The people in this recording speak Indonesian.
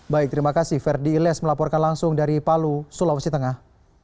baik terima kasih verdi ilyas melaporkan langsung dari palu sulawesi tengah